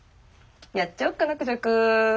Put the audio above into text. やっちゃおっかなクジャク。